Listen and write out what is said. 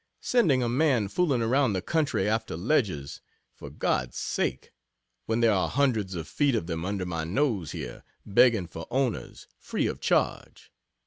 Sending a man fooling around the country after ledges, for God's sake! when there are hundreds of feet of them under my nose here, begging for owners, free of charge.